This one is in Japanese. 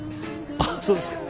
ああそうですか。